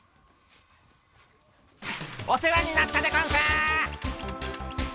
お世話になったでゴンス！